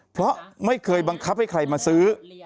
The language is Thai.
เพราะไม่เคยบังคับให้ใครมาซื้อ